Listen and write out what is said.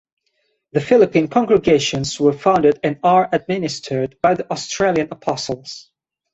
The Philippine congregations were founded and are administered by the Australian apostles.